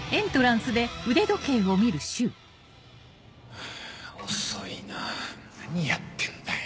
ハァ遅いな何やってんだよ。